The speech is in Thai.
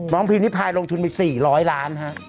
น้องพิมพ์นิภายลงทุนไป๔๐๐ล้านฮะ